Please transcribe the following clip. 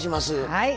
はい。